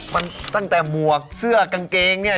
มันตั้งแต่หมวกเสื้อกางเกงเนี่ย